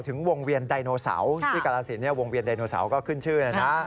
ถึงวงเวียนดายโนเสาร์ที่กราศิเนี่ยวงเวียนดายโนเสาร์ก็ขึ้นชื่อนะ